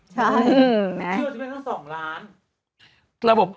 ใช่มันเชื่อทะเบียนตั้ง๒ล้าน